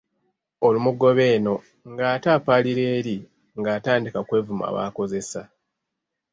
Olumugoba eno ng'ate apaalira eri ng'atandika kwevuma baakozesa.